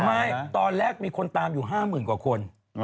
ไม่ตอนแรกมีคนตามอยู่๕๐๐๐กว่าคน